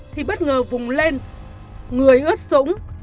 thì bất ngờ vùng lên người ướt súng